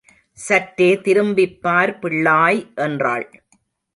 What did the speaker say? சற்றே திரும்பிப் பார் பிள்ளாய் என்றாள்.